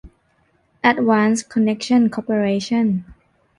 แอดวานซ์ คอนเนคชั่น คอร์ปอเรชั่น